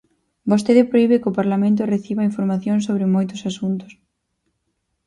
Vostede prohibe que o Parlamento reciba información sobre moitos asuntos.